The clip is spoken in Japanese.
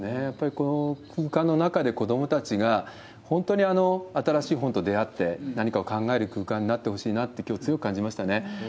やっぱりこの空間の中で、子どもたちが本当に新しい本と出会って、何かを考える空間になってほしいなって、きょう強く感じましたね。